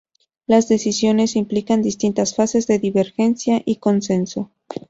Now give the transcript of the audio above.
Las decisiones implican distintas fases de divergencia y consenso.